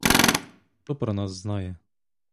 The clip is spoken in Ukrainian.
Хто про нас знає?